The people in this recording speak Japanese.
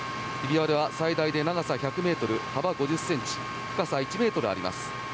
ひび割れは最大で長さ１００ｍ、幅５０ｃｍ深さ１ｍあります。